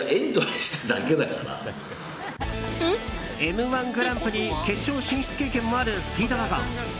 「Ｍ‐１グランプリ」決勝進出経験もあるスピードワゴン。